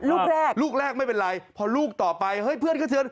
ลูกแรกลูกแรกไม่เป็นไรพอลูกต่อไปเฮ้ยเพื่อนกระเทือน